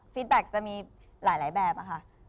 แบ็คจะมีหลายแบบค่ะ